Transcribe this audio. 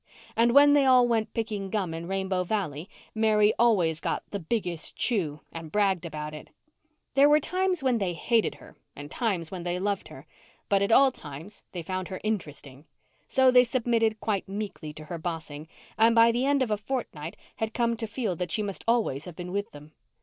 And when they all went picking gum in Rainbow Valley Mary always got "the biggest chew" and bragged about it. There were times when they hated her and times when they loved her. But at all times they found her interesting. So they submitted quite meekly to her bossing, and by the end of a fortnight had come to feel that she must always have been with them.